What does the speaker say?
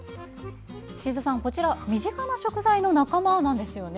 宍戸さん、こちらは身近な食材の仲間なんですよね。